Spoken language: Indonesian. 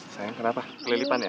sayang kenapa kelilipan ya